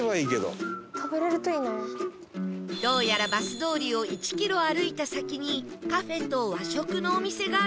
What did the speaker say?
どうやらバス通りを１キロ歩いた先にカフェと和食のお店があるみたい